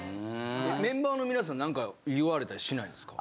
メンバーの皆さんに何か言われたりしないんですか？